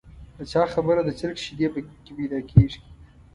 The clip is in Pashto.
د چا خبره د چرګ شیدې په کې پیدا کېږي.